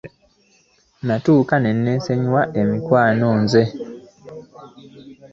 Natuuka ne nneenyiwa emikwano nze.